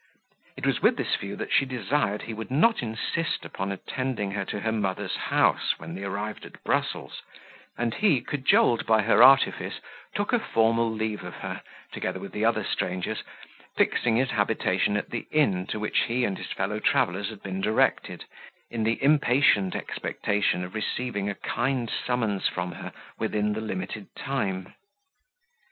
It was with this view that she desired he would not insist upon attending her to her mother's house, when they arrived at Brussels; and he, cajoled by her artifice, took a formal leave of her, together with the other strangers, fixing his habitation at the inn to which he and his fellow travellers had been directed, in the impatient expectation of receiving a kind summons from her within the limited time.